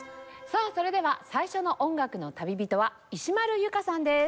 さあそれでは最初の音楽の旅人は石丸由佳さんです。